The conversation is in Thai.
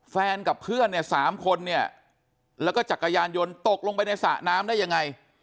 แฟนกับเพื่อน๓คนแล้วก็จักรยานยนตกลงไปในสระน้ำได้ยังไง